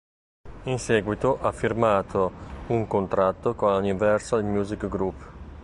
In seguito ha firmato un contratto con la Universal Music Group.